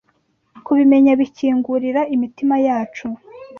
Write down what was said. Kubumenya bikingurira imitima yacu